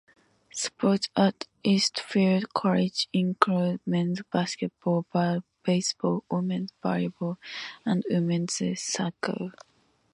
Sports at Eastfield College include men's basketball, baseball, women's volleyball, and women's soccer.